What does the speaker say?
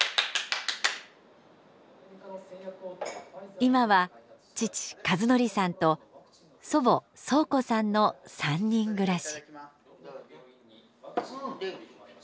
今は父和さんと祖母宗子さんの３人暮らし。